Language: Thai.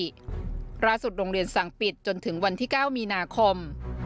ตามปกติล่าสุดโรงเรียนสั่งปิดจนถึงวันที่เก้ามีนาคม